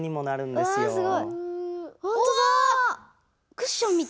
クッションみたい。